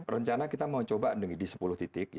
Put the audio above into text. rencana kita mau coba di sepuluh titik